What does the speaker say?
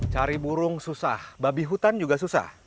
cari burung susah babi hutan juga susah